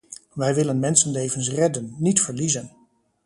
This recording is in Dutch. Wij willen mensenlevens redden, niet verliezen.